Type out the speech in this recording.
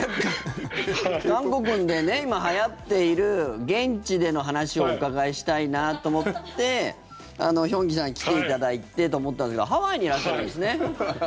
韓国で今、はやっている現地での話をお伺いしたいなと思ってヒョンギさんに来ていただいてと思ったんですがハワイにいらっしゃるんですね。